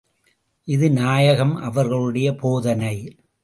இது நாயகம் அவர்களுடைய போதனை.